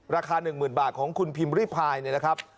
ราคา๑๐๐๐บาทของคุณพิมพ์ริพายเนี่ยนะครับ